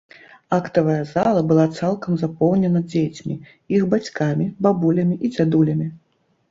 Актавая зала была цалкам запоўнена дзецьмі, іх бацькамі, бабулямі і дзядулямі.